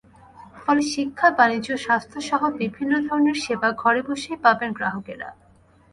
ফলে শিক্ষা, বাণিজ্য, স্বাস্থ্যসহ বিভিন্ন ধরনের সেবা ঘরে বসেই পাবেন গ্রাহকেরা।